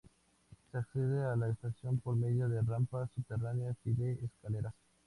Se accede a la estación por medio de rampas subterráneas y de escaleras.